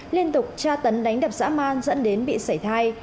liên tục tra tấn đánh đập dã man dẫn đến bị sảy thai